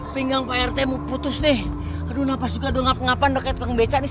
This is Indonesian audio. pinggang pak rt mau putus nih aduh nafas juga dong ngapa ngapa neket kebecah